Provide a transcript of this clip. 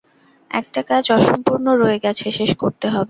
একটা কাজ অসম্পূর্ণ রয়ে গেছে, শেষ করতে হবে।